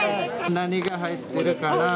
何が入ってるかな。